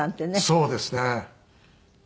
そうですね。